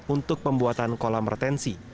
untuk pembuatan kolam retensi